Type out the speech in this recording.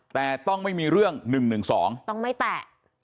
แต่ต้องไม่มีเรื่อง๑๑๒ต้องไม่แตะ